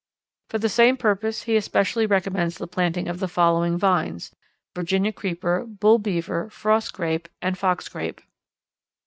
For the same purpose he especially recommends the planting of the following vines: Virginia creeper, bull beaver, frost grape, and fox grape.